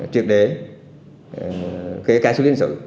trước đế kể cả xử lý hình sự